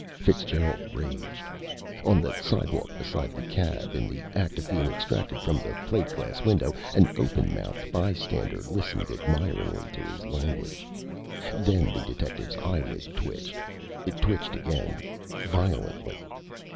Fitzgerald raged, on the sidewalk beside the cab in the act of being extracted from the plate glass window. An open mouthed bystander listened admiringly to his language. Then the detective's eyelid twitched. It twitched again, violently.